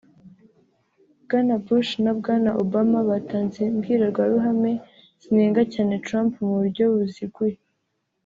Bwana Bush na Bwana Obama batanze imbwirwaruhame zinenga cyane Trump mu buryo buziguye